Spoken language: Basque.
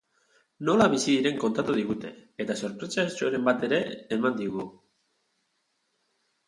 Nola bizi diren kontatu digute, eta sorpresatxoren bat ere eman diegu.